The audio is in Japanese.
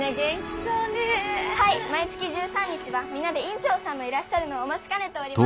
毎月１３日は皆で院長さんのいらっしゃるのを待ちかねております。